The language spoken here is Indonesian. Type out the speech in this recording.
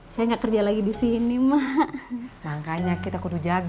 saya nggak kerja lagi di sini mak makanya kita kudu jaga